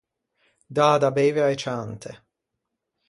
Dâ da beive a-e ciante.